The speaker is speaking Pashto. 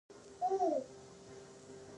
ژبې د افغانستان د کلتوري میراث برخه ده.